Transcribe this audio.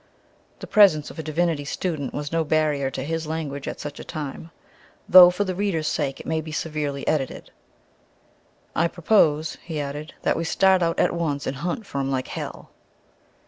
The presence of a divinity student was no barrier to his language at such a time, though for the reader's sake it may be severely edited. "I propose," he added, "that we start out at once an' hunt for'm like hell!"